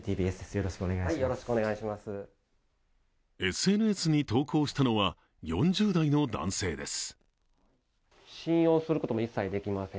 ＳＮＳに投稿したのは４０代の男性です。